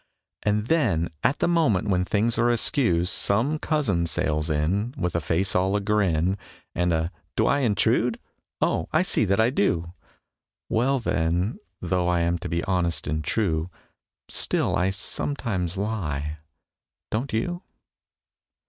And then, at the moment when things are askew, Some cousin sails in With a face all a grin, And a "Do I intrude? Oh, I see that I do!" Well, then, though I aim to be honest and true, Still I sometimes lie. Don't you?